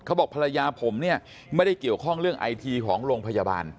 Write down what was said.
บอกภรรยาผมเนี่ยไม่ได้เกี่ยวข้องเรื่องไอทีของโรงพยาบาล